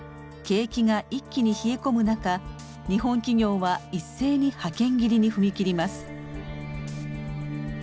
景気が一気に冷え込む中日本企業は一斉に派遣切りに踏み切ります。